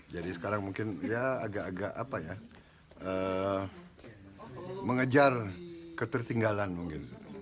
jadi sekarang mungkin ya agak agak apa ya mengejar ketertinggalan mungkin